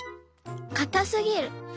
かたすぎる」。